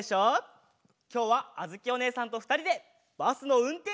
きょうはあづきおねえさんとふたりでバスのうんてんしゅをやるよ！